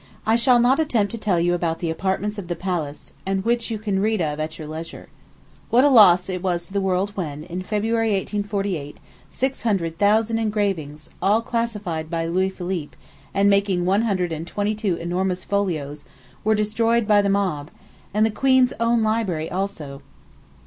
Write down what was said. I shall not attempt to tell you about the apartments of the palace, and which you can read of at your leisure. What a loss it was to the world when, in February, 1848, six hundred thousand engravings, all classified by Louis Philippe, and making one hundred and twenty two enormous folios, were destroyed by the mob, and the queen's own library also!